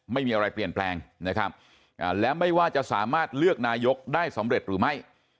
ไม่มีอะไรเปลี่ยนแปลงนะครับและไม่ว่าจะสามารถเลือกนายกได้สำเร็จหรือไม่